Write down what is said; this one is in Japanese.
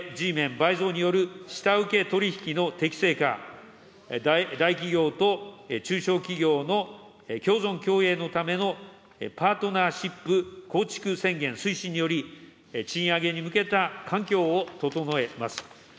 倍増による下請け取り引きの適正化、大企業と中小企業の共存共栄のためのパートナーシップ構築宣言推進により、賃上げに向けた環境を整えます。